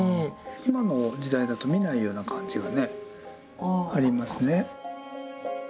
今の時代だと見ないような漢字がねありますね。